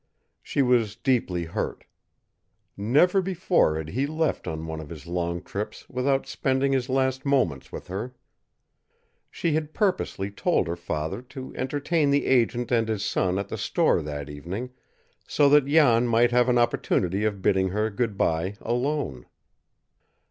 She was deeply hurt. Never before had he left on one of his long trips without spending his last moments with her. She had purposely told her father to entertain the agent and his son at the store that evening, so that Jan might have an opportunity of bidding her good by alone.